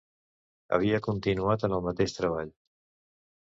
Havia continuat en el mateix treball.